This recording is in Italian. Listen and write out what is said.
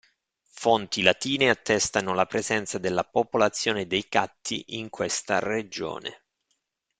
Fonti latine attestano la presenza della popolazione dei Catti in questa regione.